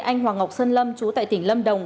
anh hoàng ngọc sơn lâm chú tại tỉnh lâm đồng